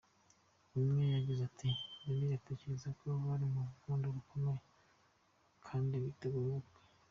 Umwe yagize ati “Miley atekereza ko bari mu rukundo rukomeye kandi biteguye ubukwe.